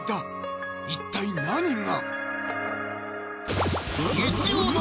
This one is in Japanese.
一体何が⁉